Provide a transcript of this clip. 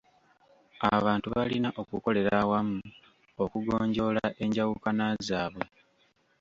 Abantu balina okukolera awamu okugonjoola enjawukana zaabwe.